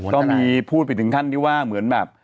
ก็มีพูดไปถึงขั้นที่ว่าเหมือนแบบ